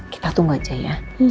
kita tunggu aja ya